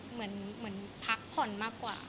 เหมือนพักผ่อนมากกว่า